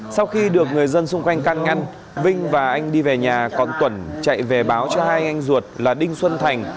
sau khi được người dân xung quanh can ngăn vinh và anh đi về nhà còn tuẩn chạy về báo cho hai anh ruột là đinh xuân thành